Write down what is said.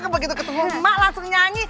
begitu ketemu emak langsung nyanyi